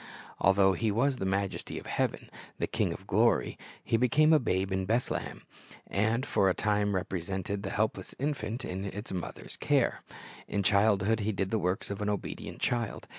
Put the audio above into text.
Although He was the Majesty of heaven, the King of glory, He became a babe in Bethlehem, and for a time represented the helpless infant in its mother's care. In childhood He did the works of an obedient child.